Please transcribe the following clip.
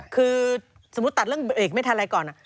คือสมมุติตัดเรื่องเบรกไม่ทันอะไรก่อน